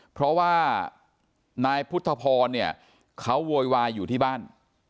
เพราะว่านายพุทธพรเนี่ยเขาโวยวายอยู่ที่บ้าน